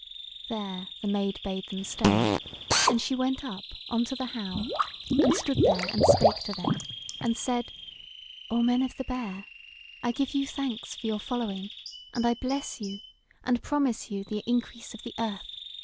There the Maid bade them stay, and she went up on to the howe, and stood there and spake to them, and said: "O men of the Bear, I give you thanks for your following, and I bless you, and promise you the increase of the earth.